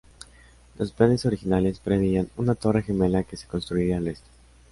Los planes originales preveían una torre gemela que se construiría al oeste.